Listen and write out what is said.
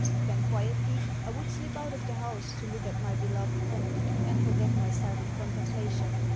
Then quietly I would slip out of the house to look at my beloved pond, and forget myself in contemplation.